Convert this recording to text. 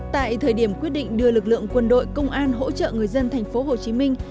tại thời điểm quyết định đưa lực lượng quân đội công an hỗ trợ người dân thành phố hồ chí minh